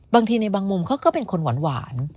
บางทีในบางมุมเขาก็เป็นคนหวาน